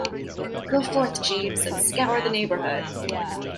Go forth, Jeeves, and scour the neighbourhood.